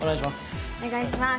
お願いします